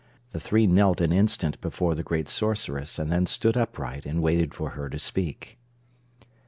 The three knelt an instant before the great Sorceress and then stood upright and waited for her to speak.